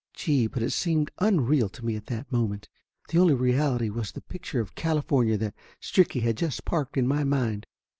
Gee, but it seemed unreal to me at that moment ! The only reality was the picture of California that Stricky had just parked in my mind.